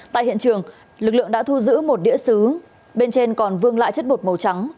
tại hiện trường lực lượng đã thu giữ một đĩa xứ bên trên còn vương lại chất bột màu trắng